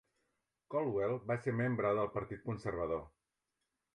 Coldwell va ser membre del Partit Conservador.